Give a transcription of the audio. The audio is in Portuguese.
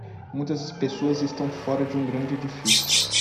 Muitas pessoas estão fora de um grande edifício.